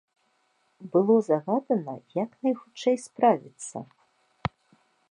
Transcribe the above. Было загадана, як найхутчэй справіцца.